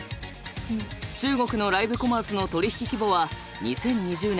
中国のライブコマースの取引規模は２０２０年